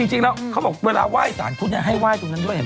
จริงแล้วเขาบอกเวลาไหว้สารพุทธให้ไห้ตรงนั้นด้วยเห็นไหม